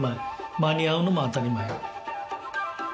間に合うのも当たり前。